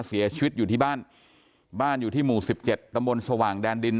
เสียชีวิตอยู่ที่บ้านบ้านอยู่ที่หมู่สิบเจ็ดตำบลสว่างแดนดิน